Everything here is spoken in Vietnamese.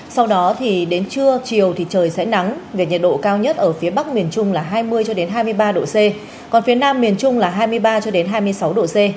sau đó thì đến trưa chiều thì trời sẽ nắng về nhiệt độ cao nhất ở phía bắc miền trung là hai mươi hai mươi ba độ c còn phía nam miền trung là hai mươi ba hai mươi sáu độ c